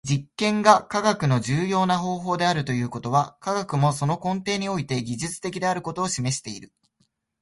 実験が科学の重要な方法であるということは、科学もその根底において技術的であることを示している。